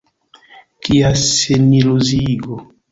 Kia seniluziigo.